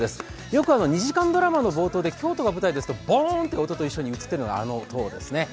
よく２時間ドラマの冒頭で京都が舞台ですとゴーンという音と共に映っているのが、あの塔ですね。